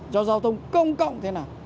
cho giao thông công cộng như thế nào